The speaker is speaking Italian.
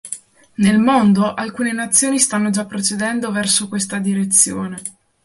Nel mondo, alcune Nazioni stanno già procedendo verso questa direzione.